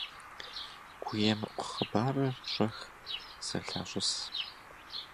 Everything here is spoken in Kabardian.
ГуемыӀу хъыбарыр щӀэх зэлъащӀыс.